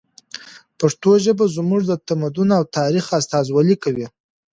پښتو ژبه زموږ د تمدن او تاریخ استازولي کوي.